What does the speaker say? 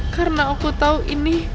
karena aku tau ini